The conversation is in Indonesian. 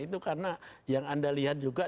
itu karena yang anda lihat juga